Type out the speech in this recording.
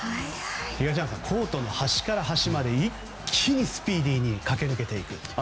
東山さん、コートの端から端まで一気にスピーディーに駆け抜けていく。